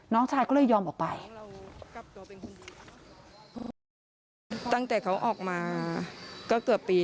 น้องชายก็เลยยอมออกไป